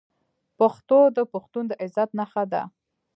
پښتو د پښتون د عزت نښه ده.